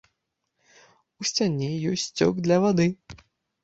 У сцяне ёсць сцёк для вады.